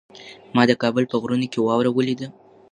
ما د کابل په غرونو کې واوره ولیده.